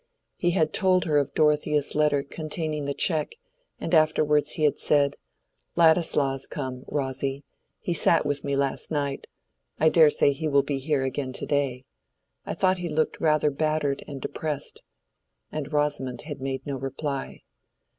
He had told her of Dorothea's letter containing the check, and afterwards he had said, "Ladislaw is come, Rosy; he sat with me last night; I dare say he will be here again to day. I thought he looked rather battered and depressed." And Rosamond had made no reply.